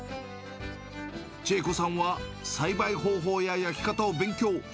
千恵子さんは栽培方法や焼き方を勉強。